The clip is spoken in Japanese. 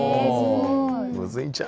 ・むずいんちゃう？